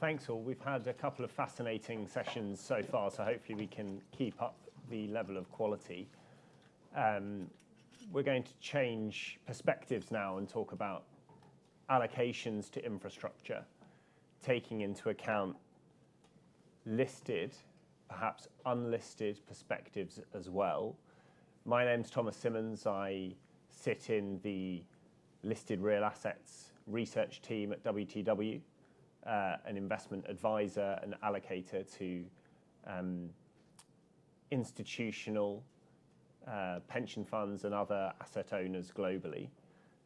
Thanks, all. We've had a couple of fascinating sessions so far, so hopefully we can keep up the level of quality. We're going to change perspectives now and talk about allocations to infrastructure, taking into account listed, perhaps unlisted perspectives as well. My name's Thomas Symons. I sit in the Listed Real Assets research team at WTW, an investment advisor and allocator to institutional pension funds and other asset owners globally.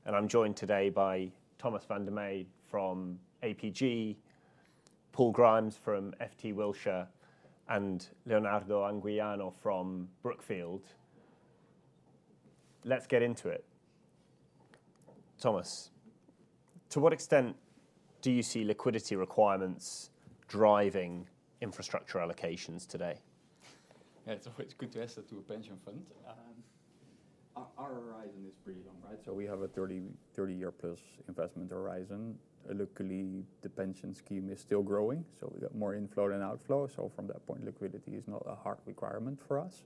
And I'm joined today by Thomas van der Meij from APG, Paul Grimes from FTSE Russell, and Leonardo Anguiano from Brookfield. Let's get into it. Thomas, to what extent do you see liquidity requirements driving infrastructure allocations today? Yeah, it's always good to ask that to a pension fund. Our horizon is pretty long, right? So we have a 30-year-plus investment horizon. Luckily, the pension scheme is still growing, so we got more inflow than outflow, so from that point, liquidity is not a hard requirement for us.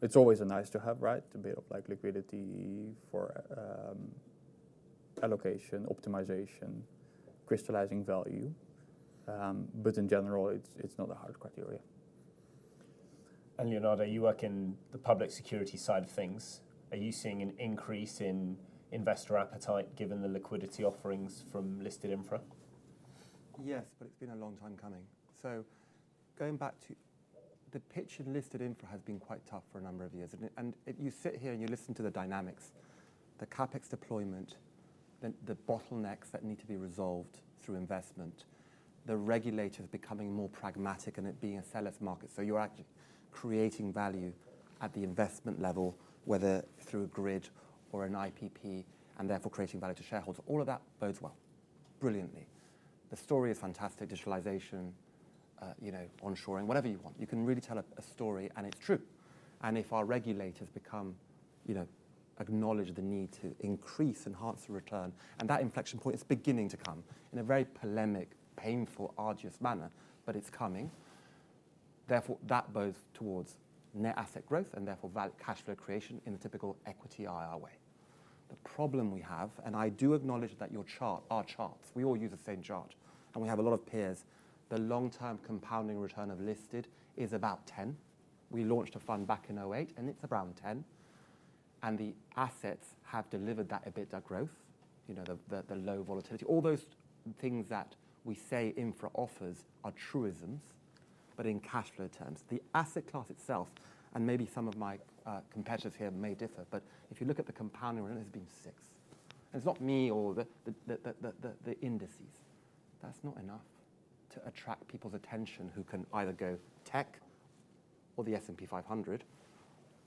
It's always a nice to have, right, to build up, like, liquidity for allocation, optimization, crystallizing value, but in general, it's not a hard criterion. Leonardo, you work in the public securities side of things. Are you seeing an increase in investor appetite given the liquidity offerings from listed infra? Yes, but it's been a long time coming. So going back to the pitch in listed infra has been quite tough for a number of years, and if you sit here and you listen to the dynamics, the CapEx deployment, the bottlenecks that need to be resolved through investment, the regulators becoming more pragmatic, and it being a seller's market. So you're actually creating value at the investment level, whether through a grid or an IPP, and therefore creating value to shareholders. All of that bodes well, brilliantly. The story is fantastic, digitalization, you know, onshoring, whatever you want. You can really tell a story, and it's true. And if our regulators become, you know, acknowledge the need to increase, enhance the return, and that inflection point is beginning to come in a very polemic, painful, arduous manner, but it's coming. Therefore, that bodes towards net asset growth and therefore value cash flow creation in a typical equity IRR way. The problem we have, and I do acknowledge that your chart, our charts, we all use the same chart, and we have a lot of peers. The long-term compounding return of listed is about 10. We launched a fund back in 2008, and it's around 10, and the assets have delivered that EBITDA growth, you know, the low volatility. All those things that we say infra offers are truisms, but in cash flow terms. The asset class itself, and maybe some of my competitors here may differ, but if you look at the compounding, it has been six. And it's not me or the indices. That's not enough to attract people's attention who can either go tech or the S&P 500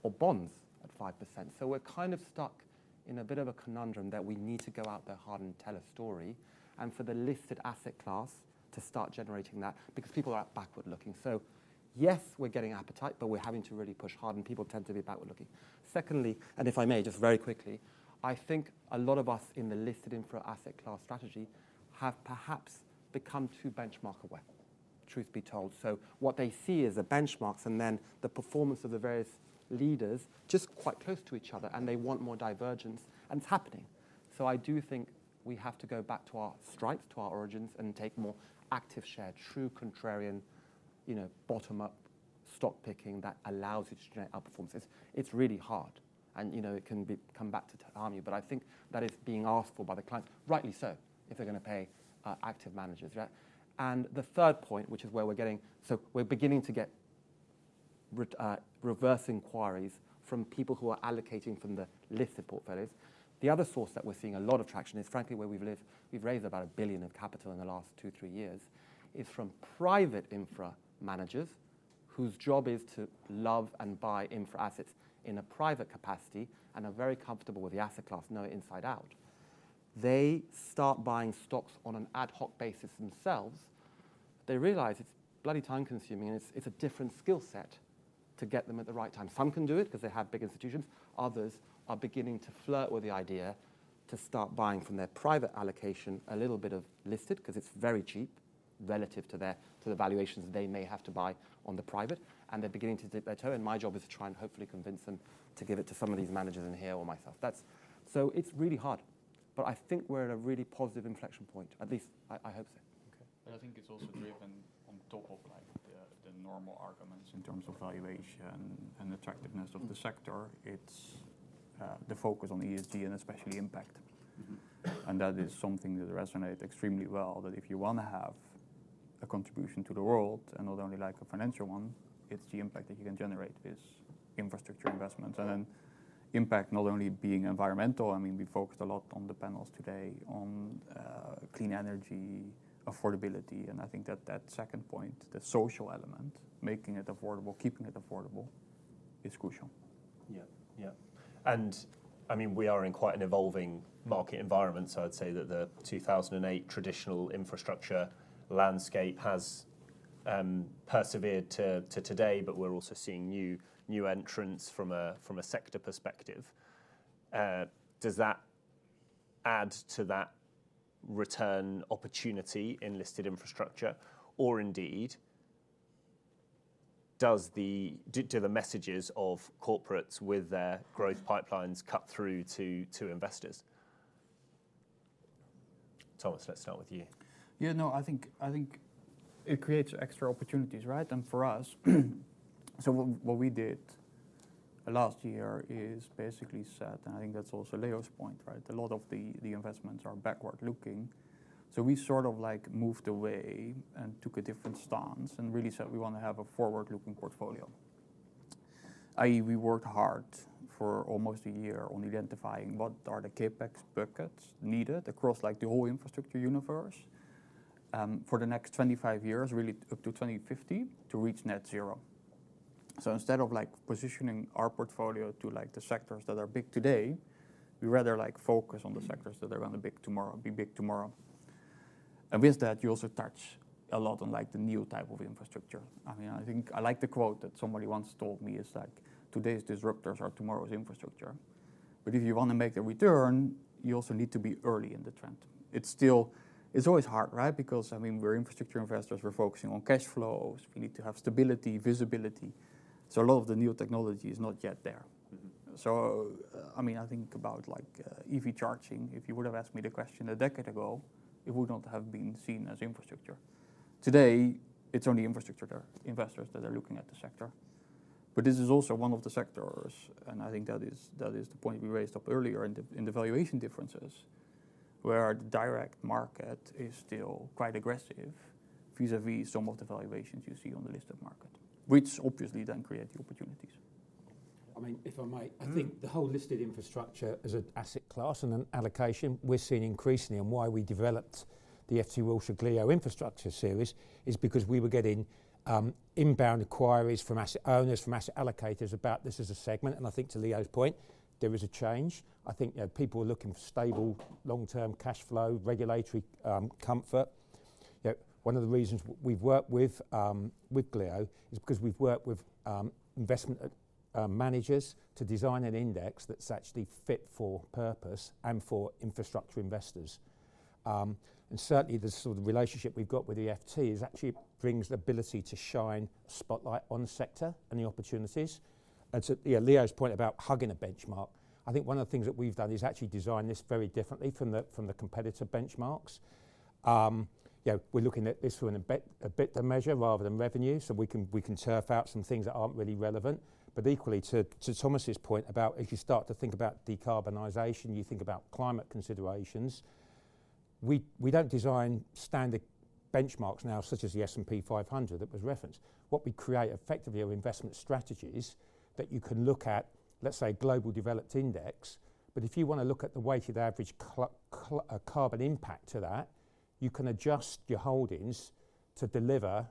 or bonds at 5%. So we're kind of stuck in a bit of a conundrum that we need to go out there hard and tell a story, and for the listed asset class to start generating that, because people are backward-looking. So yes, we're getting appetite, but we're having to really push hard, and people tend to be backward-looking. Secondly, and if I may, just very quickly, I think a lot of us in the listed infra asset class strategy have perhaps become too benchmark aware, truth be told. So what they see is the benchmarks and then the performance of the various leaders just quite close to each other, and they want more divergence, and it's happening. So I do think we have to go back to our strengths, to our origins, and take more active share, true contrarian, you know, bottom-up stock picking that allows you to generate outperformance. It's really hard, and, you know, it can become back to harm you, but I think that it's being asked for by the clients, rightly so, if they're gonna pay active managers, right? And the third point, which is where we're getting, so we're beginning to get reverse inquiries from people who are allocating from the listed portfolios. The other source that we're seeing a lot of traction is, frankly, where we've lived. We've raised about 1 billion of capital in the last two, three years from private infra managers, whose job is to love and buy infra assets in a private capacity and are very comfortable with the asset class, know it inside out. They start buying stocks on an ad hoc basis themselves. They realize it's bloody time-consuming, and it's, it's a different skill set to get them at the right time. Some can do it 'cause they have big institutions. Others are beginning to flirt with the idea to start buying from their private allocation a little bit of listed, 'cause it's very cheap relative to their, to the valuations they may have to buy on the private, and they're beginning to dip their toe. And my job is to try and hopefully convince them to give it to some of these managers in here or myself. That's... So it's really hard, but I think we're at a really positive inflection point. At least, I, I hope so. Okay. But I think it's also driven on top of, like, the normal arguments in terms of valuation and attractiveness of the sector. It's the focus on ESG and especially impact. Mm-hmm. That is something that resonates extremely well, that if you wanna have a contribution to the world, and not only, like, a financial one, it's the impact that you can generate, is infrastructure investment. And then impact not only being environmental, I mean, we focused a lot on the panels today on clean energy, affordability, and I think that that second point, the social element, making it affordable, keeping it affordable, is crucial. Yeah. Yeah, and, I mean, we are in quite an evolving market environment, so I'd say that the 2008 traditional infrastructure landscape has persevered to today, but we're also seeing new entrants from a sector perspective. Does that add to that return opportunity in listed infrastructure? Or indeed, do the messages of corporates with their growth pipelines cut through to investors? Thomas, let's start with you. Yeah, no, I think it creates extra opportunities, right? And for us, so what we did last year is basically said... And I think that's also Leo's point, right? A lot of the investments are backward-looking. So we sort of, like, moved away and took a different stance, and really said we wanna have a forward-looking portfolio. i.e., we worked hard for almost a year on identifying what are the CapEx buckets needed across, like, the whole infrastructure universe, for the next 25 years, really up to 2050, to reach net zero. So instead of, like, positioning our portfolio to, like, the sectors that are big today, we'd rather, like, focus on the sectors that are gonna big tomorrow- be big tomorrow. And with that, you also touch a lot on, like, the new type of infrastructure. I mean, I think... I like the quote that somebody once told me, is like, "Today's disruptors are tomorrow's infrastructure." But if you wanna make a return, you also need to be early in the trend. It's always hard, right? Because, I mean, we're infrastructure investors. We're focusing on cash flows. We need to have stability, visibility, so a lot of the new technology is not yet there. Mm-hmm. So, I mean, I think about, like, EV charging. If you would've asked me the question a decade ago, it would not have been seen as infrastructure. Today, it's only infrastructure to investors that are looking at the sector. But this is also one of the sectors, and I think that is, that is the point we raised up earlier in the, in the valuation differences, where the direct market is still quite aggressive vis-a-vis some of the valuations you see on the listed market, which obviously then create the opportunities. I mean, if I may- Yeah. I think the whole listed infrastructure as an asset class and an allocation, we're seeing increasingly, and why we developed the FTSE Russell GLIO Infrastructure Series, is because we were getting inbound inquiries from asset owners, from asset allocators, about this as a segment. I think to Leo's point, there is a change. I think people are looking for stable, long-term cash flow, regulatory comfort. Yet, one of the reasons we've worked with GLIO, is because we've worked with investment managers to design an index that's actually fit for purpose and for infrastructure investors. And certainly the sort of relationship we've got with the FT is actually brings the ability to shine spotlight on the sector and the opportunities. To, yeah, Leo's point about hugging a benchmark, I think one of the things that we've done is actually design this very differently from the competitor benchmarks. Yeah, we're looking at this from an EBITDA measure, rather than revenue, so we can turf out some things that aren't really relevant. But equally, to Thomas's point about if you start to think about decarbonization, you think about climate considerations. We don't design standard benchmarks now, such as the S&P 500 that was referenced. What we create effectively are investment strategies that you can look at, let's say, global developed index, but if you wanna look at the weighted average carbon impact to that, you can adjust your holdings to deliver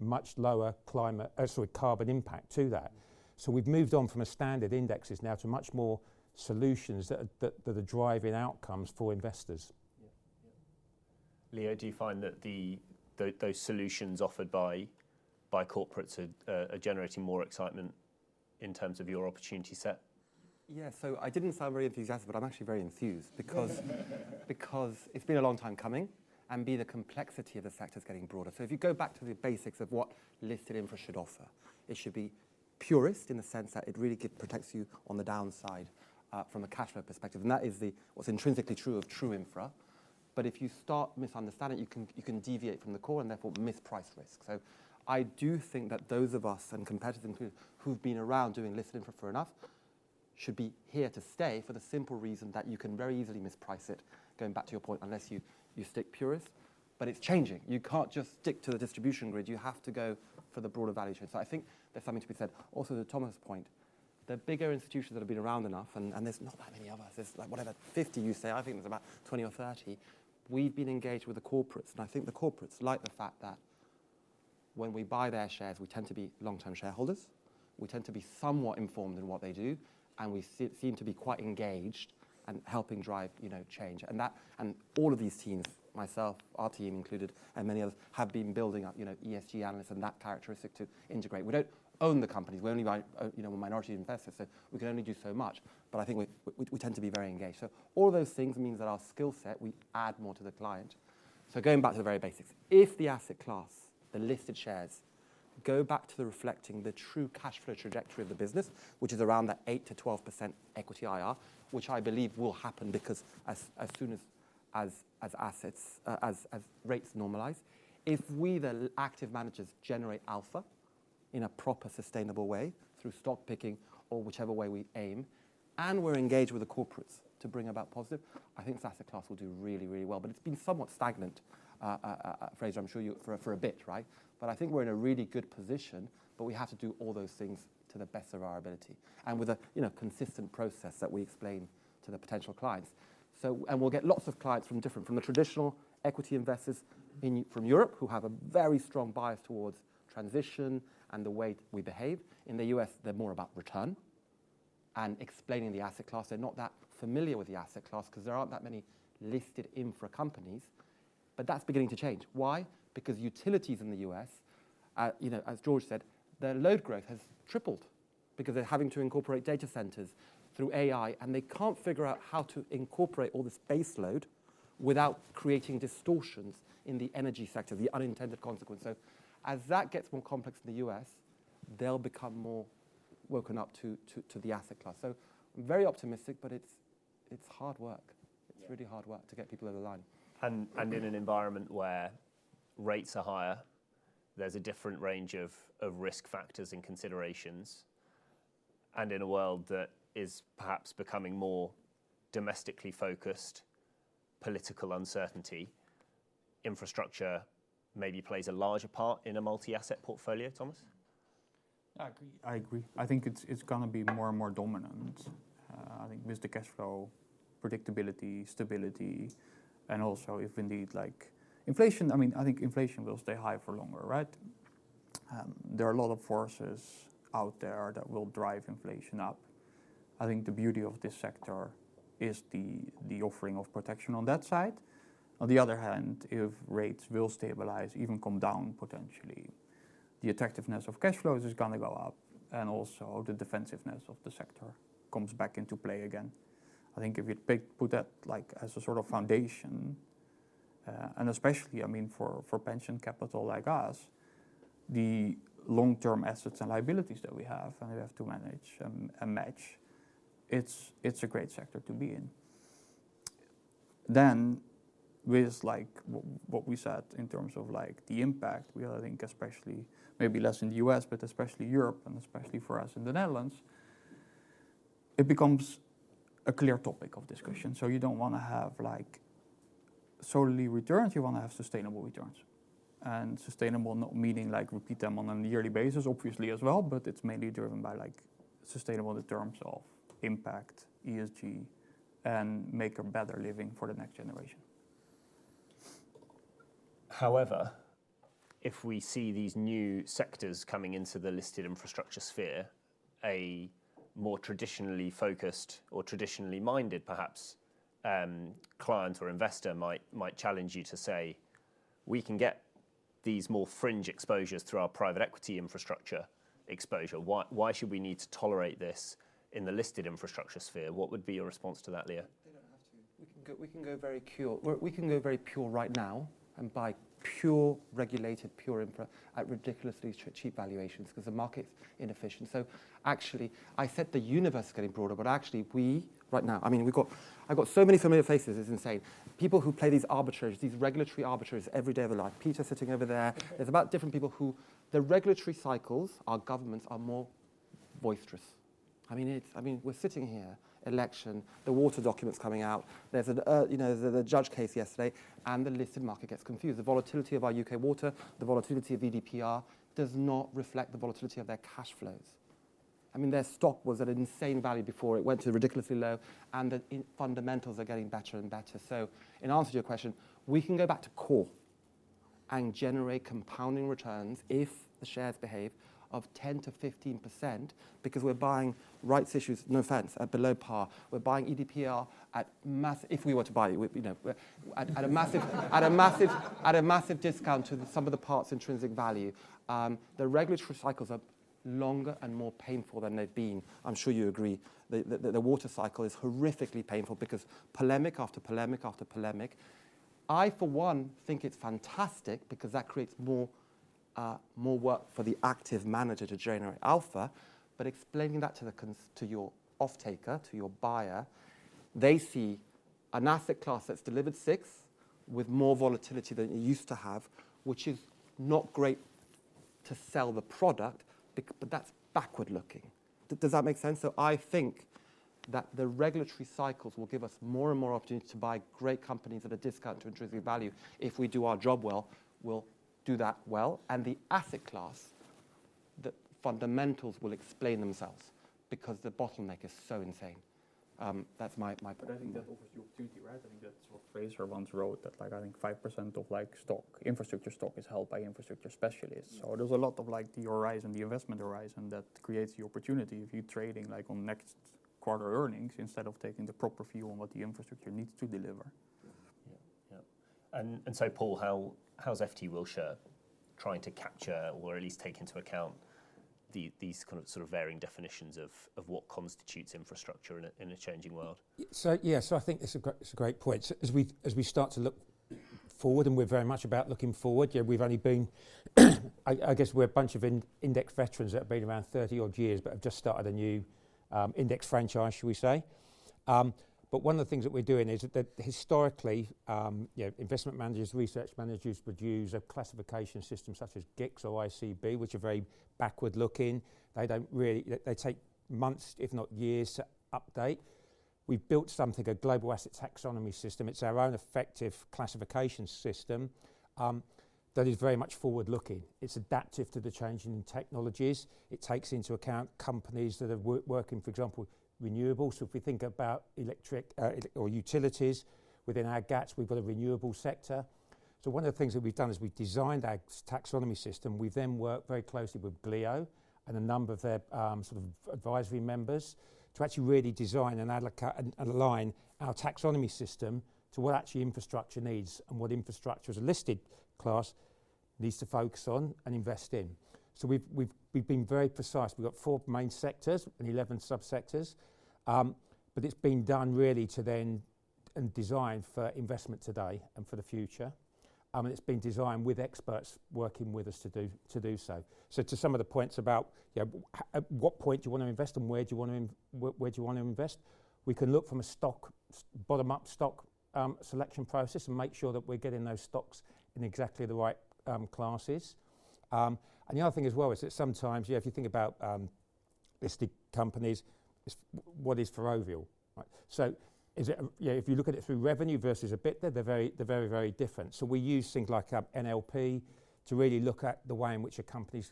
much lower carbon impact to that. So we've moved on from standard indexes now to much more solutions that are driving outcomes for investors. Yeah. Yeah. Leo, do you find that those solutions offered by corporates are generating more excitement in terms of your opportunity set? Yeah, so I didn't sound very enthusiastic, but I'm actually very enthused because, because it's been a long time coming, and b, the complexity of the sector is getting broader. So if you go back to the basics of what listed infra should offer, it should be purist in the sense that it really protects you on the downside, from a cash flow perspective, and that is what's intrinsically true of true infra. But if you start misunderstanding, you can, you can deviate from the core, and therefore misprice risk. So I do think that those of us, and competitors who've been around doing listed infra for enough, should be here to stay for the simple reason that you can very easily misprice it, going back to your point, unless you, you stay purist. But it's changing. You can't just stick to the distribution grid, you have to go for the broader value chain. So I think there's something to be said. Also, to Thomas' point, the bigger institutions that have been around enough, and there's not that many of us, there's, like, whatever, 50 you say, I think there's about 20 or 30. We've been engaged with the corporates, and I think the corporates like the fact that when we buy their shares, we tend to be long-term shareholders. We tend to be somewhat informed in what they do, and we seem to be quite engaged and helping drive, you know, change. And that... And all of these teams, myself, our team included, and many others, have been building up, you know, ESG analysis and that characteristic to integrate. We don't own the companies. We only buy, you know, we're minority investors, so we can only do so much, but I think we tend to be very engaged. So all those things means that our skill set, we add more to the client. So going back to the very basics. If the asset class, the listed shares, go back to the reflecting the true cash flow trajectory of the business, which is around that 8%-12% equity IRR, which I believe will happen, because as soon as rates normalize, if we, the active managers, generate alpha in a proper, sustainable way, through stock picking or whichever way we aim, and we're engaged with the corporates to bring about positive, I think the asset class will do really, really well. But it's been somewhat stagnant, Fraser, I'm sure you... For a bit, right? But I think we're in a really good position, but we have to do all those things to the best of our ability, and with a, you know, consistent process that we explain to the potential clients. So, and we'll get lots of clients from different... From the traditional equity investors from Europe, who have a very strong bias towards transition and the way we behave. In the US, they're more about return.... and explaining the asset class. They're not that familiar with the asset class, 'cause there aren't that many listed infra companies, but that's beginning to change. Why? Because utilities in the U.S., you know, as George said, their load growth has tripled because they're having to incorporate data centers through AI, and they can't figure out how to incorporate all this base load without creating distortions in the energy sector, the unintended consequence. So as that gets more complex in the U.S., they'll become more woken up to the asset class. So I'm very optimistic, but it's hard work. Yeah. It's really hard work to get people over the line. In an environment where rates are higher, there's a different range of risk factors and considerations, and in a world that is perhaps becoming more domestically focused, political uncertainty, infrastructure maybe plays a larger part in a multi-asset portfolio. Thomas? I agree. I agree. I think it's, it's gonna be more and more dominant. I think with the cash flow, predictability, stability, and also if indeed, like, inflation... I mean, I think inflation will stay high for longer, right? There are a lot of forces out there that will drive inflation up. I think the beauty of this sector is the, the offering of protection on that side. On the other hand, if rates will stabilize, even come down potentially, the attractiveness of cash flows is gonna go up, and also the defensiveness of the sector comes back into play again. I think if you take, put that, like, as a sort of foundation, and especially, I mean, for pension capital like us, the long-term assets and liabilities that we have, and we have to manage and match, it's a great sector to be in. Then, with like, what we said in terms of, like, the impact, we are, I think, especially maybe less in the U.S., but especially Europe, and especially for us in the Netherlands, it becomes a clear topic of discussion. So you don't wanna have, like, solely returns, you wanna have sustainable returns. And sustainable, not meaning like repeat them on a yearly basis, obviously, as well, but it's mainly driven by, like, sustainable in terms of impact, ESG, and make a better living for the next generation. However, if we see these new sectors coming into the listed infrastructure sphere, a more traditionally focused or traditionally minded perhaps client or investor might challenge you to say, "We can get these more fringe exposures through our private equity infrastructure exposure. Why should we need to tolerate this in the listed infrastructure sphere?" What would be your response to that, Leo? They don't have to. We can go very pure or we can go very pure right now, and buy pure, regulated, pure infra at ridiculously cheap valuations, 'cause the market's inefficient. So actually, I said the universe is getting broader, but actually, we... Right now, I mean, I've got so many familiar faces, it's insane. People who play these arbitrages, these regulatory arbitrages every day of their life. Peter sitting over there. There's about different people who, the regulatory cycles, our governments are more boisterous. I mean, we're sitting here, election, the water document's coming out. There's an, you know, the Judge case yesterday, and the listed market gets confused. The volatility of our UK water, the volatility of EDPR, does not reflect the volatility of their cash flows. I mean, their stock was at an insane value before. It went to ridiculously low, and the fundamentals are getting better and better. So in answer to your question, we can go back to core and generate compounding returns if the shares behave of 10%-15%, because we're buying rights issues, no offense, at below par. We're buying EDPR at massive—if we were to buy it, you know, we're at a massive discount to the sum-of-the-parts intrinsic value. The regulatory cycles are longer and more painful than they've been. I'm sure you agree. The water cycle is horrifically painful because polemic after polemic after polemic. I, for one, think it's fantastic because that creates more work for the active manager to generate alpha. But explaining that to your off-taker, to your buyer, they see an asset class that's delivered 6 with more volatility than it used to have, which is not great to sell the product, but that's backward-looking. Does that make sense? So I think that the regulatory cycles will give us more and more opportunity to buy great companies at a discount to intrinsic value. If we do our job well, we'll do that well, and the asset class, the fundamentals will explain themselves, because the bottleneck is so insane. That's my point of view. But I think that offers the opportunity, right? I think that's what Fraser once wrote, that like, I think 5% of, like, stock, infrastructure stock is held by infrastructure specialists. Yeah. So there's a lot of, like, the horizon, the investment horizon, that creates the opportunity if you're trading, like, on next quarter earnings instead of taking the proper view on what the infrastructure needs to deliver. Yeah. Yeah. And, and so Paul, how, how's FTSE Russell trying to capture or at least take into account these kind of sort of varying definitions of, of what constitutes infrastructure in a, in a changing world? So yeah, so I think it's a great, it's a great point. So as we start to look forward, and we're very much about looking forward, yeah, we've only been... I guess we're a bunch of index veterans that have been around 30-odd years, but have just started a new index franchise, shall we say. But one of the things that we're doing is that historically, you know, investment managers, research managers would use a classification system such as GICS or ICB, which are very backward-looking. They don't really take months, if not years, to update. We've built something, a Global Asset Taxonomy System. It's our own effective classification system that is very much forward-looking. It's adaptive to the changing technologies. It takes into account companies that are working, for example, renewables. So if we think about electric or utilities, within our GATS, we've got a renewable sector. One of the things that we've done is we've designed our taxonomy system. We've then worked very closely with GLIO and a number of their sort of advisory members, to actually really design and align our taxonomy system to what actually infrastructure needs and what infrastructure as a listed class needs to focus on and invest in. So we've been very precise. We've got four main sectors and 11 sub-sectors. And it's been done really to then and designed for investment today and for the future. And it's been designed with experts working with us to do so. So to some of the points about, yeah, at what point do you want to invest and where do you want to invest? We can look from a stock, bottom-up stock selection process, and make sure that we're getting those stocks in exactly the right classes. And the other thing as well is that sometimes, yeah, if you think about listed companies, is what is Ferrovial, right? So is it, yeah, if you look at it through revenue versus EBITDA, they're very, they're very, very different. So we use things like NLP to really look at the way in which a company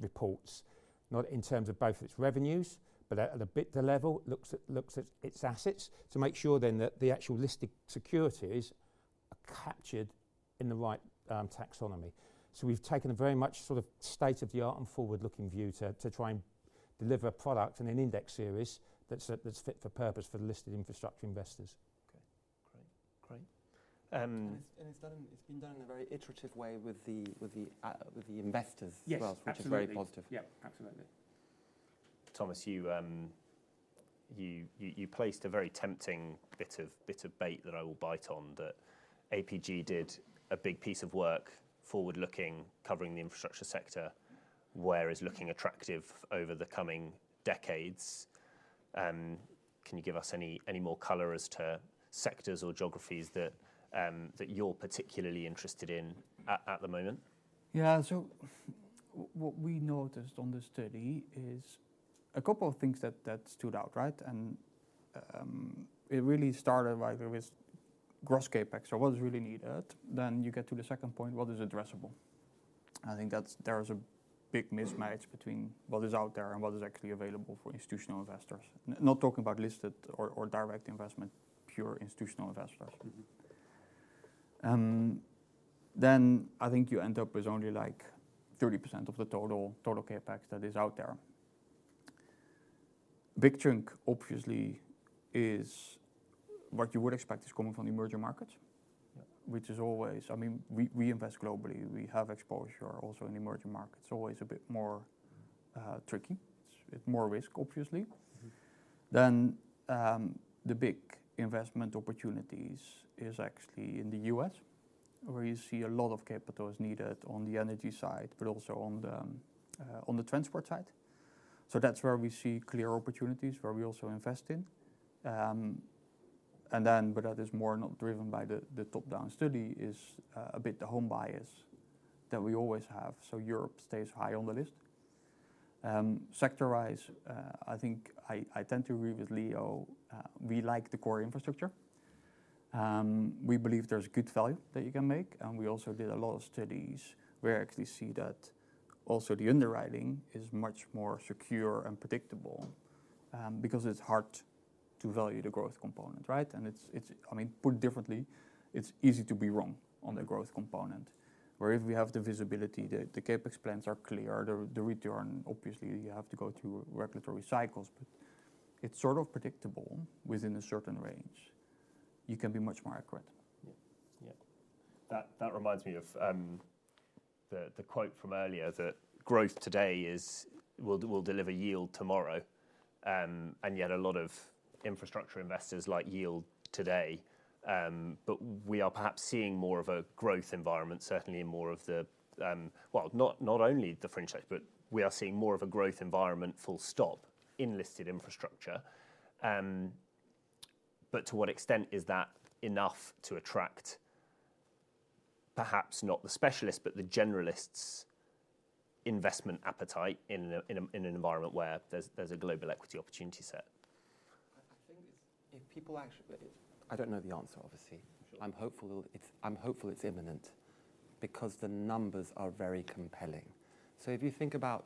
reports, not in terms of both its revenues, but at, at the EBITDA level, looks at, looks at its assets, to make sure then that the actual listed securities are captured in the right taxonomy. We've taken a very much sort of state-of-the-art and forward-looking view to try and deliver a product and an index series that's fit for purpose for the listed infrastructure investors. Okay, great, great. And it's been done in a very iterative way with the investors as well- Yes, absolutely. Which is very positive. Yep, absolutely. Thomas, you placed a very tempting bit of bait that I will bite on, that APG did a big piece of work forward-looking, covering the infrastructure sector, where it's looking attractive over the coming decades. Can you give us any more color as to sectors or geographies that you're particularly interested in at the moment? Yeah. So what we noticed on this study is a couple of things that stood out, right? And it really started, like, with gross CapEx, so what is really needed? Then you get to the second point: What is addressable? I think that's... There is a big mismatch between what is out there and what is actually available for institutional investors. Not talking about listed or direct investment, pure institutional investors. Mm-hmm. Then I think you end up with only, like, 30% of the total CapEx that is out there. Big chunk, obviously, is what you would expect is coming from the emerging markets- Yeah... which is always, I mean, we invest globally. We have exposure also in emerging markets. It's always a bit more tricky. It's more risk, obviously. Mm-hmm. Then, the big investment opportunities is actually in the US, where you see a lot of capital is needed on the energy side, but also on the transport side. So that's where we see clear opportunities, where we also invest in. But that is more not driven by the top-down study is a bit the home bias that we always have, so Europe stays high on the list. Sector-wise, I think I tend to agree with Leo. We like the core infrastructure. We believe there's good value that you can make, and we also did a lot of studies where we actually see that also the underwriting is much more secure and predictable. Because it's hard to value the growth component, right? I mean, put differently, it's easy to be wrong on the growth component. Where if we have the visibility, the CapEx plans are clear, the return, obviously, you have to go through regulatory cycles, but it's sort of predictable within a certain range. You can be much more accurate. Yeah. Yeah. That reminds me of the quote from earlier, that growth today is... will deliver yield tomorrow. And yet a lot of infrastructure investors like yield today. But we are perhaps seeing more of a growth environment, certainly in more of the, well, not only the fringes, but we are seeing more of a growth environment full stop in listed infrastructure. But to what extent is that enough to attract, perhaps not the specialists, but the generalists' investment appetite in an environment where there's a global equity opportunity set? I think it's... If people actually— I don't know the answer, obviously. Sure. I'm hopeful it's imminent because the numbers are very compelling. So if you think about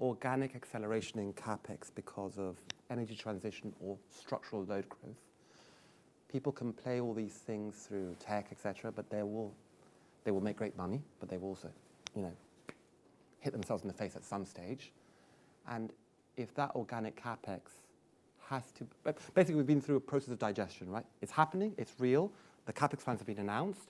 organic acceleration in CapEx because of energy transition or structural load growth, people can play all these things through tech, et cetera, et cetera, but they will make great money, but they will also, you know, hit themselves in the face at some stage. And if that organic CapEx has to basically, we've been through a process of digestion, right? It's happening, it's real, the CapEx plans have been announced.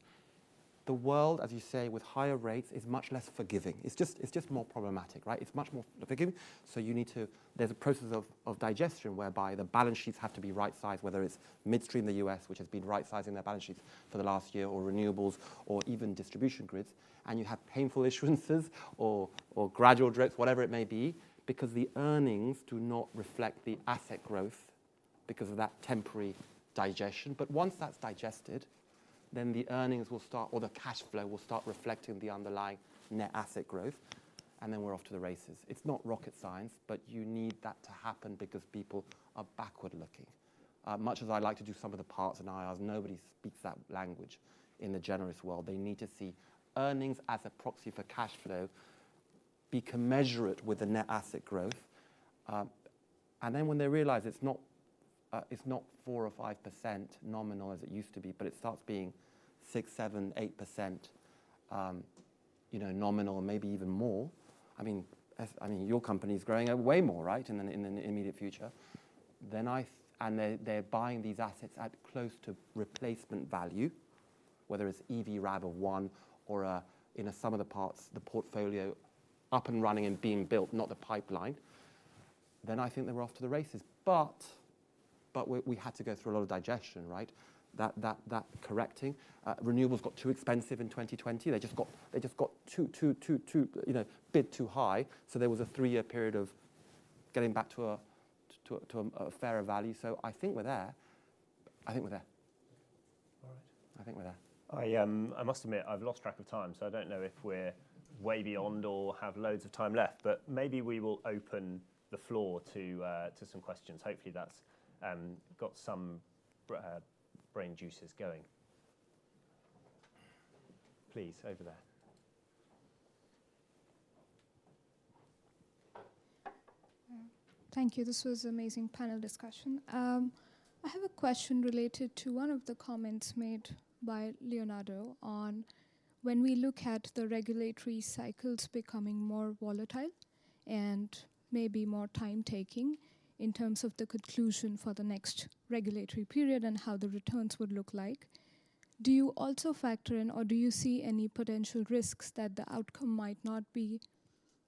The world, as you say, with higher rates, is much less forgiving. It's just more problematic, right? It's much more forgiving, so you need to. There's a process of digestion, whereby the balance sheets have to be right-sized, whether it's midstream in the U.S., which has been right-sizing their balance sheets for the last year, or renewables, or even distribution grids. And you have painful issuances or gradual drips, whatever it may be, because the earnings do not reflect the asset growth because of that temporary digestion. But once that's digested, then the earnings will start, or the cash flow will start reflecting the underlying net asset growth, and then we're off to the races. It's not rocket science, but you need that to happen because people are backward-looking. Much as I'd like to do sum of the parts in IRRs, nobody speaks that language in the generalist world. They need to see earnings as a proxy for cash flow. We can measure it with the net asset growth. And then when they realize it's not 4% or 5% nominal as it used to be, but it starts being 6%, 7%, 8%, you know, nominal, maybe even more. I mean, as, I mean, your company's growing at way more, right? In the immediate future. Then they, they're buying these assets at close to replacement value, whether it's e.g., RAV of one, or a sum of the parts, the portfolio up and running and being built, not the pipeline, then I think they're off to the races. But we had to go through a lot of digestion, right? That correcting. Renewables got too expensive in 2020. They just got too, too, too, too... You know, bid too high, so there was a three-year period of getting back to a fairer value. So I think we're there. I think we're there. All right. I think we're there. I, I must admit, I've lost track of time, so I don't know if we're way beyond or have loads of time left, but maybe we will open the floor to some questions. Hopefully, that's got some brain juices going. Please, over there. Thank you. This was an amazing panel discussion. I have a question related to one of the comments made by Leonardo on when we look at the regulatory cycles becoming more volatile and maybe more time-taking in terms of the conclusion for the next regulatory period, and how the returns would look like. Do you also factor in, or do you see any potential risks that the outcome might not be,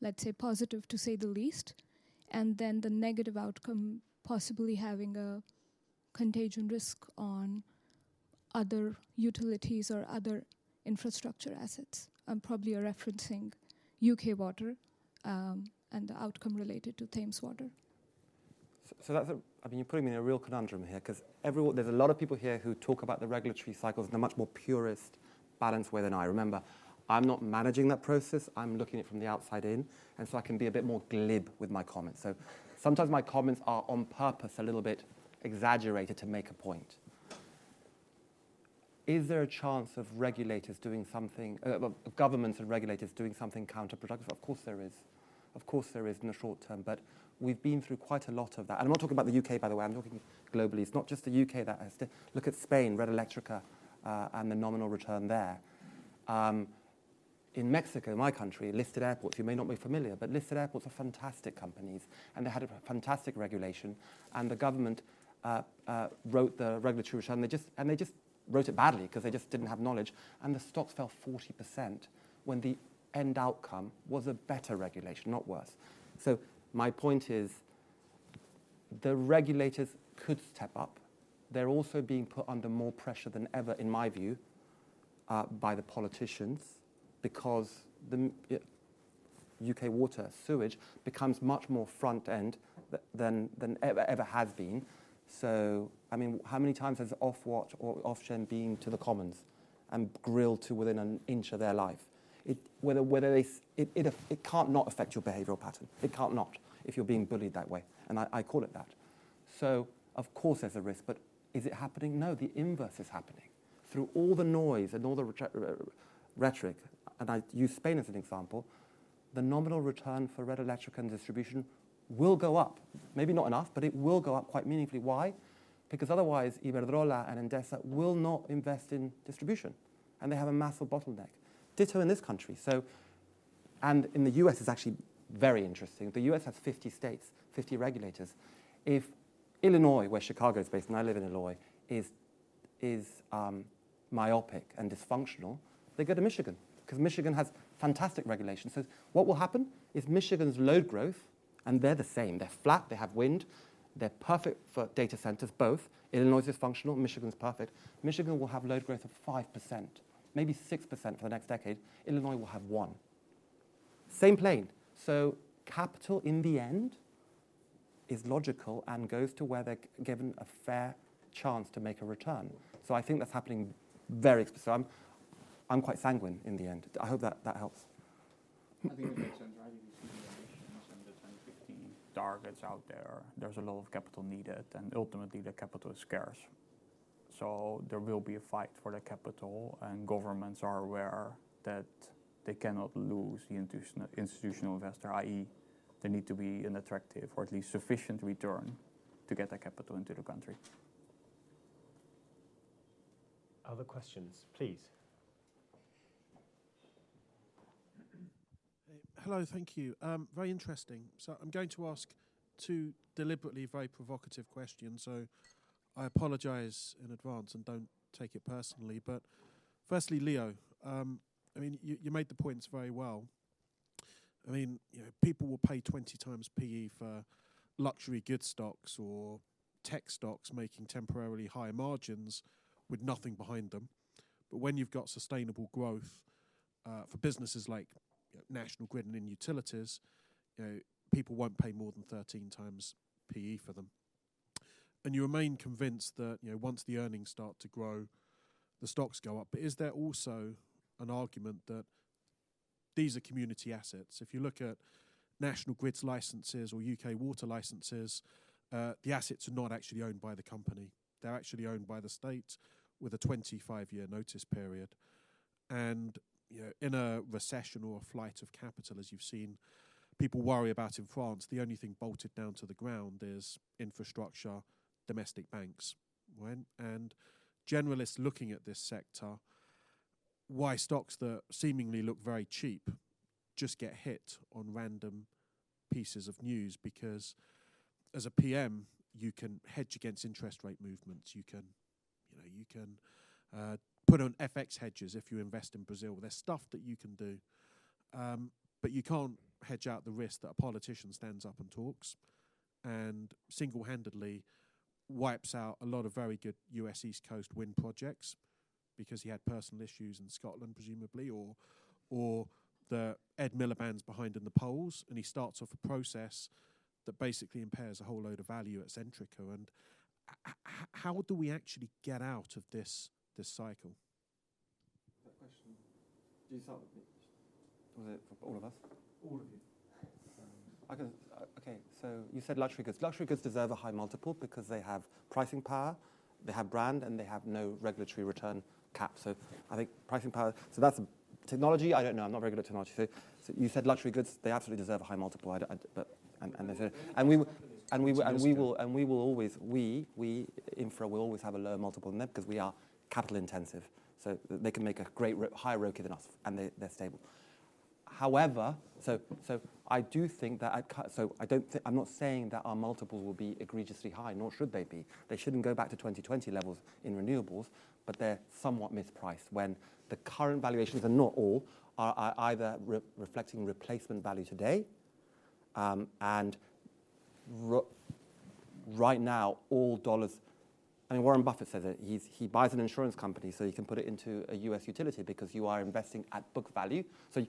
let's say, positive, to say the least, and then the negative outcome possibly having a contagion risk on other utilities or other infrastructure assets? I'm probably referencing UK Water, and the outcome related to Thames Water. So that's a... I mean, you're putting me in a real conundrum here, 'cause everyone, there's a lot of people here who talk about the regulatory cycles in a much more purist, balanced way than I. Remember, I'm not managing that process, I'm looking at it from the outside in, and so I can be a bit more glib with my comments. So sometimes my comments are on purpose, a little bit exaggerated to make a point. Is there a chance of regulators doing something, well, governments and regulators doing something counterproductive? Of course, there is. Of course, there is in the short term, but we've been through quite a lot of that. I'm not talking about the UK, by the way, I'm talking globally. It's not just the UK that has to... Look at Spain, Red Eléctrica, and the nominal return there. In Mexico, my country, listed airports, you may not be familiar, but listed airports are fantastic companies, and they had a fantastic regulation, and the government wrote the regulatory return, and they just wrote it badly 'cause they just didn't have knowledge, and the stocks fell 40% when the end outcome was a better regulation, not worse. So my point is, the regulators could step up. They're also being put under more pressure than ever, in my view, by the politicians, because the UK water sewage becomes much more front-end than it ever has been. So, I mean, how many times has Ofwat or Ofgem been to the Commons and grilled to within an inch of their life? Whether it can't not affect your behavioral pattern. It can't not, if you're being bullied that way, and I, I call it that. So of course there's a risk, but is it happening? No, the inverse is happening. Through all the noise and all the rhetoric, and I use Spain as an example, the nominal return for Red Eléctrica and distribution will go up. Maybe not enough, but it will go up quite meaningfully. Why? Because otherwise, Iberdrola and Endesa will not invest in distribution, and they have a massive bottleneck. Ditto in this country. So, and in the U.S., it's actually very interesting. The U.S. has 50 states, 50 regulators. If Illinois, where Chicago is based, and I live in Illinois, is myopic and dysfunctional, they go to Michigan, 'cause Michigan has fantastic regulations. So what will happen? If Michigan's load growth, and they're the same, they're flat, they have wind, they're perfect for data centers, both. Illinois is dysfunctional, Michigan's perfect. Michigan will have load growth of 5%, maybe 6% for the next decade. Illinois will have 1%. Same plane. So capital, in the end, is logical and goes to where they're given a fair chance to make a return. So I think that's happening very quickly, so I'm quite sanguine in the end. I hope that helps. I think it makes sense, driving these innovations and the 2050 targets out there. There's a lot of capital needed, and ultimately, the capital is scarce. So there will be a fight for the capital, and governments are aware that they cannot lose the institutional investor, i.e., there need to be an attractive or at least sufficient return to get that capital into the country. Other questions, please? Hello, thank you. Very interesting. So I'm going to ask two deliberately very provocative questions, so I apologize in advance, and don't take it personally. But firstly, Leo, I mean, you, you made the points very well. I mean, you know, people will pay 20x PE for luxury goods stocks or tech stocks making temporarily higher margins with nothing behind them. But when you've got sustainable growth for businesses like National Grid and in utilities, you know, people won't pay more than 13x PE for them. And you remain convinced that, you know, once the earnings start to grow, the stocks go up. But is there also an argument that these are community assets? If you look at National Grid's licenses or UK Water licenses, the assets are not actually owned by the company. They're actually owned by the state with a 25-year notice period. You know, in a recession or a flight of capital, as you've seen people worry about in France, the only thing bolted down to the ground is infrastructure, domestic banks. Generalists looking at this sector, why stocks that seemingly look very cheap just get hit on random pieces of news? Because as a PM, you can hedge against interest rate movements, you can, you know, you can put on FX hedges if you invest in Brazil. There's stuff that you can do, but you can't hedge out the risk that a politician stands up and talks, and single-handedly wipes out a lot of very good U.S. East Coast wind projects because he had personal issues in Scotland, presumably, or that Ed Miliband's behind in the polls, and he starts off a process that basically impairs a whole load of value at Centrica. How do we actually get out of this cycle? That question... Do you start with me? Was it for all of us? All of you. I can. Okay. So you said luxury goods. Luxury goods deserve a high multiple because they have pricing power, they have brand, and they have no regulatory return cap. So I think pricing power. So that's technology. I don't know. I'm not very good at technology. So you said luxury goods, they absolutely deserve a high multiple. But and we will always, infra will always have a lower multiple than them 'cause we are capital intensive, so they can make a great ROIC, higher ROIC than us, and they, they're stable. However, so I do think that. So I don't. I'm not saying that our multiples will be egregiously high, nor should they be. They shouldn't go back to 2020 levels in renewables, but they're somewhat mispriced when the current valuations, and not all, are either reflecting replacement value today, and right now, all dollars... I mean, Warren Buffett says it. He buys an insurance company, so he can put it into a US utility because you are investing at book value. So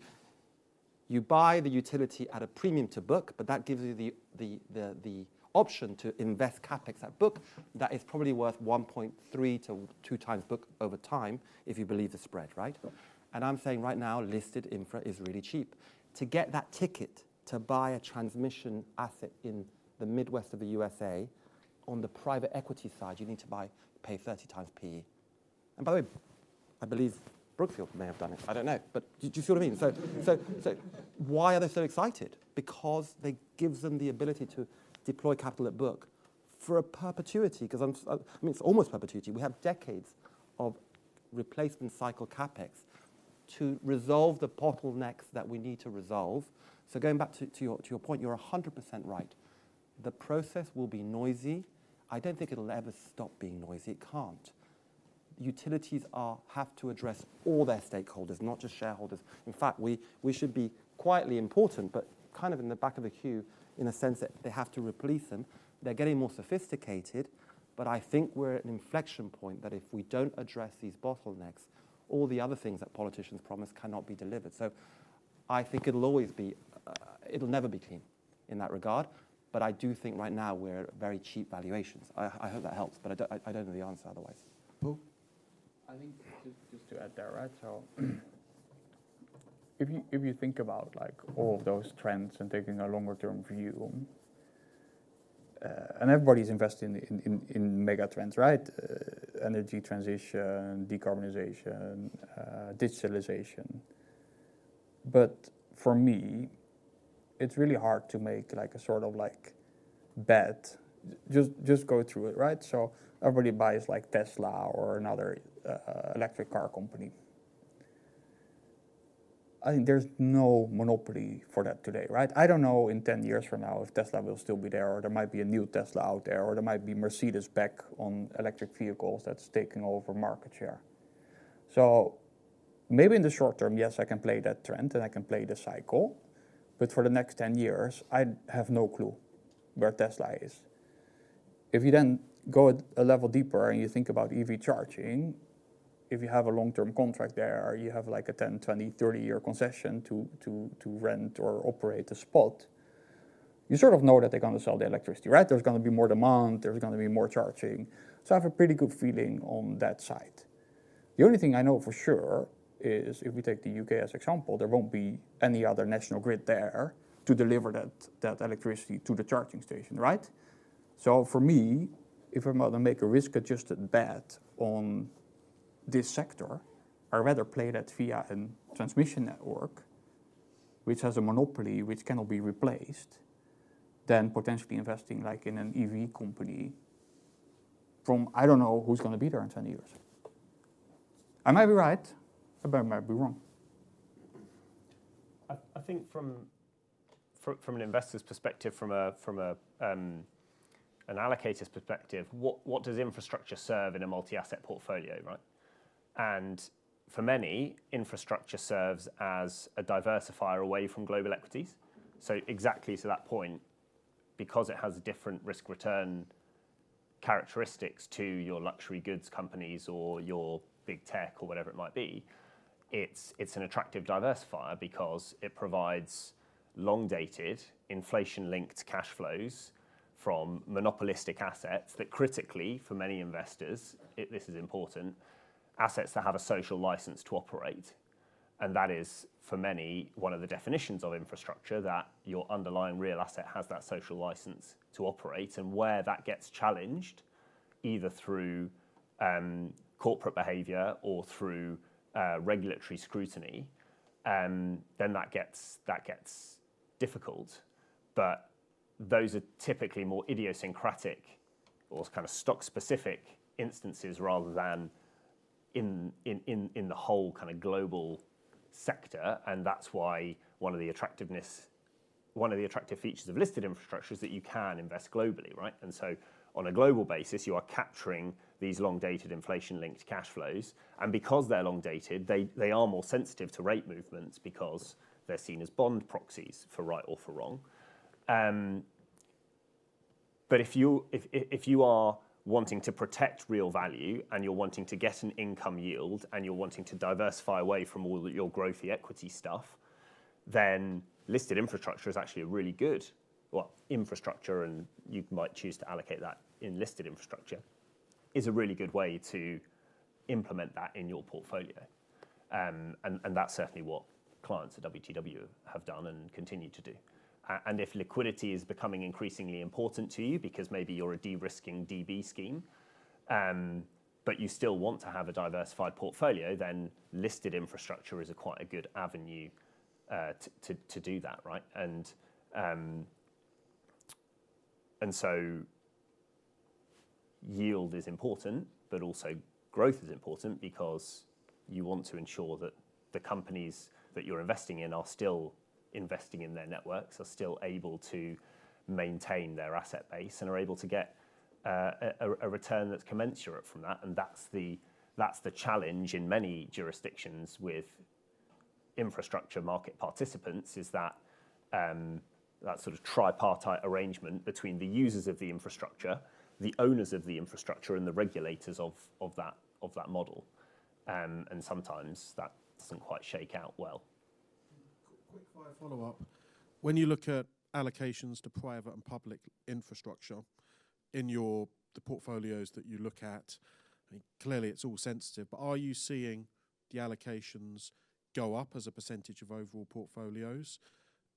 you buy the utility at a premium to book, but that gives you the option to invest CapEx at book. That is probably worth 1.3-2x book over time, if you believe the spread, right? And I'm saying right now, listed infra is really cheap. To get that ticket to buy a transmission asset in the Midwest of the USA, on the private equity side, you need to buy, pay 30x PE. And by the way, I believe Brookfield may have done it. I don't know. But do you see what I mean? So why are they so excited? Because they gives them the ability to deploy capital at book for a perpetuity, 'cause I mean, it's almost perpetuity. We have decades of replacement cycle CapEx to resolve the bottlenecks that we need to resolve. So going back to your point, you're 100% right. The process will be noisy. I don't think it'll ever stop being noisy. It can't. Utilities have to address all their stakeholders, not just shareholders. In fact, we should be quietly important, but kind of in the back of the queue, in a sense that they have to replace them. They're getting more sophisticated, but I think we're at an inflection point, that if we don't address these bottlenecks, all the other things that politicians promise cannot be delivered. So I think it'll always be. It'll never be clean in that regard, but I do think right now we're at very cheap valuations. I hope that helps, but I don't know the answer otherwise. Tom? I think just to add there, right? So if you think about, like, all of those trends and taking a longer term view, and everybody's investing in mega trends, right? Energy transition, decarbonization, digitalization. But for me, it's really hard to make like a sort of like bet. Just go through it, right? So everybody buys like Tesla or another electric car company. I think there's no monopoly for that today, right? I don't know, in 10 years from now, if Tesla will still be there, or there might be a new Tesla out there, or there might be Mercedes back on electric vehicles that's taking over market share. So maybe in the short term, yes, I can play that trend, and I can play the cycle, but for the next 10 years, I have no clue where Tesla is. If you then go a level deeper and you think about EV charging, if you have a long-term contract there, or you have like a 10-, 20-, 30-year concession to, to, to rent or operate a spot, you sort of know that they're gonna sell the electricity, right? There's gonna be more demand, there's gonna be more charging. So I have a pretty good feeling on that side. The only thing I know for sure is, if we take the UK as example, there won't be any other National Grid there to deliver that, that electricity to the charging station, right? So for me, if I'm able to make a risk-adjusted bet on this sector, I'd rather play that via a transmission network, which has a monopoly, which cannot be replaced, than potentially investing, like in an EV company from I don't know who's gonna be there in 10 years. I might be right, but I might be wrong. I think from an investor's perspective, from an allocator's perspective, what does infrastructure serve in a multi-asset portfolio, right? And for many, infrastructure serves as a diversifier away from global equities. So exactly to that point, because it has different risk-return characteristics to your luxury goods companies or your big tech or whatever it might be, it's an attractive diversifier because it provides long-dated, inflation-linked cash flows from monopolistic assets that critically, for many investors, this is important, assets that have a social license to operate. And that is, for many, one of the definitions of infrastructure, that your underlying real asset has that social license to operate, and where that gets challenged, either through corporate behavior or through regulatory scrutiny, then that gets difficult. But those are typically more idiosyncratic or kind of stock-specific instances, rather than in the whole kind of global sector, and that's why one of the attractiveness-- one of the attractive features of listed infrastructure is that you can invest globally, right? And so on a global basis, you are capturing these long-dated inflation-linked cash flows, and because they're long-dated, they are more sensitive to rate movements because they're seen as bond proxies, for right or for wrong. But if you are wanting to protect real value, and you're wanting to get an income yield, and you're wanting to diversify away from all your growthy equity stuff, then listed infrastructure is actually a really good... Well, infrastructure, and you might choose to allocate that in listed infrastructure, is a really good way to implement that in your portfolio. And that's certainly what clients at WTW have done and continue to do. And if liquidity is becoming increasingly important to you because maybe you're a de-risking DB scheme, but you still want to have a diversified portfolio, then listed infrastructure is a quite good avenue to do that, right? And so yield is important, but also growth is important because you want to ensure that the companies that you're investing in are still investing in their networks, are still able to maintain their asset base, and are able to get a return that's commensurate from that. That's the, that's the challenge in many jurisdictions with infrastructure market participants, is that, that sort of tripartite arrangement between the users of the infrastructure, the owners of the infrastructure, and the regulators of, of that, of that model. And sometimes that doesn't quite shake out well. Quick follow-up. When you look at allocations to private and public infrastructure in the portfolios that you look at, clearly, it's all sensitive, but are you seeing the allocations go up as a percentage of overall portfolios?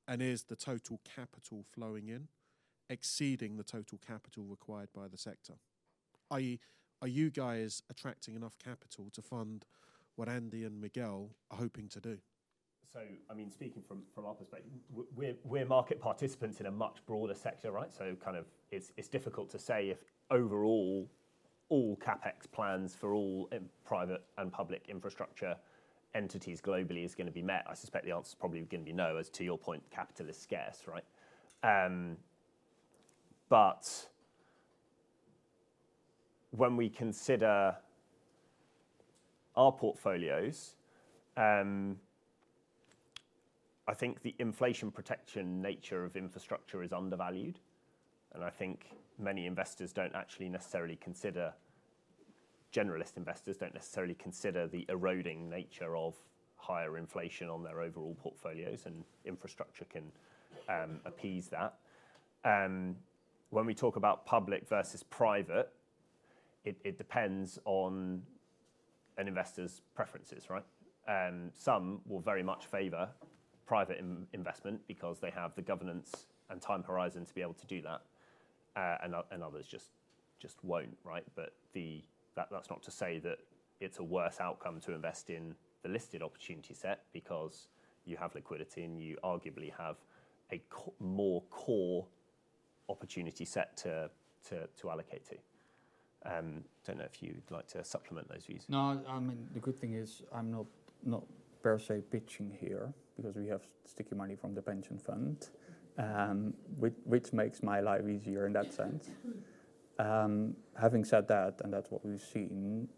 And is the total capital flowing in exceeding the total capital required by the sector? i.e., are you guys attracting enough capital to fund what Andy and Miguel are hoping to do? So, I mean, speaking from our perspective, we're market participants in a much broader sector, right? So kind of it's difficult to say if overall all CapEx plans for all private and public infrastructure entities globally is gonna be met. I suspect the answer is probably gonna be no. As to your point, capital is scarce, right? But when we consider our portfolios, I think the inflation protection nature of infrastructure is undervalued, and I think many investors don't actually necessarily consider... generalist investors don't necessarily consider the eroding nature of higher inflation on their overall portfolios, and infrastructure can appease that. When we talk about public versus private, it depends on an investor's preferences, right? Some will very much favor private investment because they have the governance and time horizon to be able to do that, and others just won't, right? But that, that's not to say that it's a worse outcome to invest in the listed opportunity set because you have liquidity, and you arguably have a more core opportunity set to allocate to. Don't know if you'd like to supplement those views. No, I mean, the good thing is I'm not, not per se pitching here because we have sticky money from the pension fund, which, which makes my life easier in that sense. Having said that, and that's what we've seen,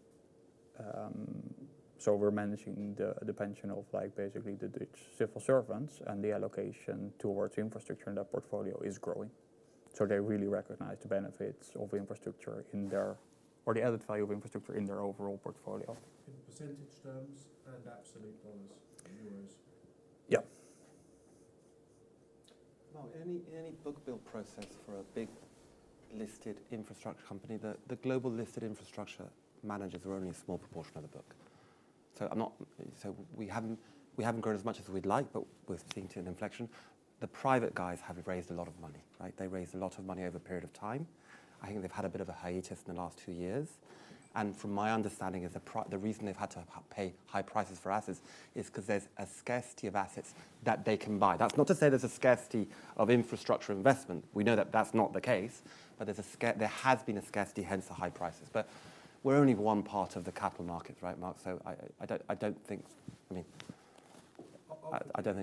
so we're managing the, the pension of, like, basically the Dutch civil servants, and the allocation towards infrastructure in that portfolio is growing. So they really recognize the benefits of infrastructure in their, or the added value of infrastructure in their overall portfolio. In percentage terms and absolute dollars, in euros. Yeah. Well, any book build process for a big listed infrastructure company, the global listed infrastructure managers are only a small proportion of the book. So we haven't grown as much as we'd like, but we're seeing an inflection. The private guys have raised a lot of money, right? They raised a lot of money over a period of time. I think they've had a bit of a hiatus in the last two years, and from my understanding the reason they've had to pay high prices for assets is 'cause there's a scarcity of assets that they can buy. That's not to say there's a scarcity of infrastructure investment. We know that that's not the case, but there has been a scarcity, hence the high prices. But we're only one part of the capital market, right, Mark? So, I don't think... I mean, I don't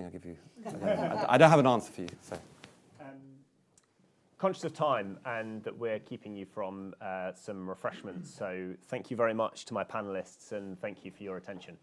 have an answer for you, so. Conscious of time, and that we're keeping you from some refreshments, so thank you very much to my panelists, and thank you for your attention.